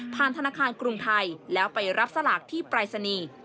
ธนาคารกรุงไทยแล้วไปรับสลากที่ปรายศนีย์